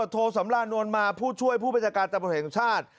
โทสำรานนวลมาผู้ช่วยผู้บัญชาการตำรวจแห่งชาติ